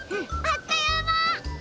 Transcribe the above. あっというま！